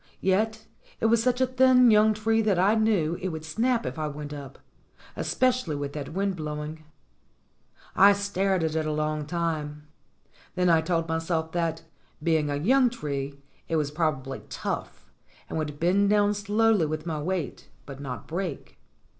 Yet it was such a thin, young tree that I knew it would snap if I went up, especially with that wind blowing. I stared at it a long time. Then I told myself that, being a young tree, it was prob ably tough, and would bend down slowly with my weight but not break.